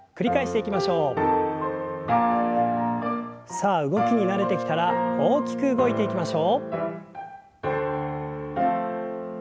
さあ動きに慣れてきたら大きく動いていきましょう。